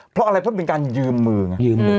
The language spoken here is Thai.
เพราะอะไรเพราะเป็นการยืมมือไง